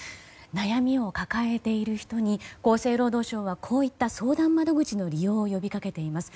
悩みを抱えている人に厚生労働省はこういった相談窓口の利用を呼びかけています。